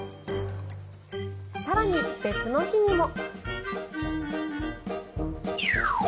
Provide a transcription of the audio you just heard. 更に、別の日にも。